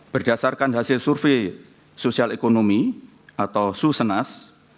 berdasarkan hasil survei sosial ekonomi atau susenas